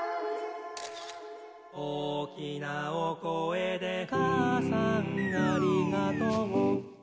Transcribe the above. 「おーきなおこえでかあさんありがとう」